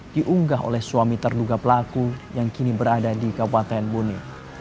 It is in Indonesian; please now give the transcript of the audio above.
diunggah oleh suami terduga pelaku yang kini berada di kabupaten buni